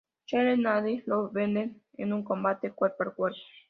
Chloe y Nadine lo vencen en un combate cuerpo a cuerpo.